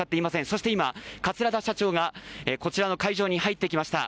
そして今、桂田社長がこちらの会場に入ってきました。